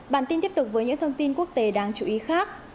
bản tin tiếp tục với những thông tin quốc tế đáng chú ý khác